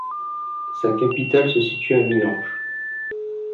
Sa capitale se situe à Milenge.